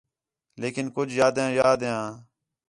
لیکن کُج یادیاں یاد ہیاں